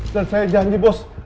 dan saya janji bos